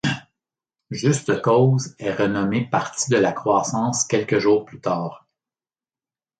Juste cause est renommé Parti de la croissance quelques jours plus tard.